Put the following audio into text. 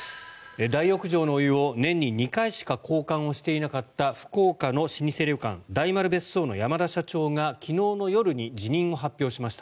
大浴場のお湯を年に２回しか交換をしていなかった福岡の老舗旅館、大丸別荘の山田社長が昨日の夜に辞任を発表しました。